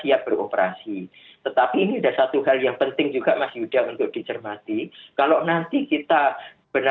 jumlahnya hanya dibatasi untuk kualitas